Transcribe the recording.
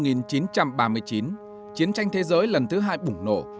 tháng chín năm một nghìn chín trăm ba mươi chín chiến tranh thế giới lần thứ hai bủng nổ